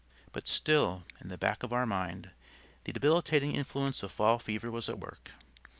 But still, in the back of our mind, the debilitating influence of fall fever was at work.